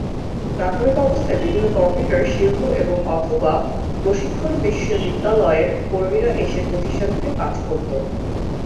প্রাথমিক অবস্থায় বিভিন্ন কম্পিউটার শিল্প এবং/অথবা প্রশিক্ষণ বিদ্যালয়ের কর্মীরা এসে প্রতিষ্ঠানটিতে কাজ করত।